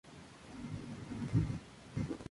Las orejas son grandes.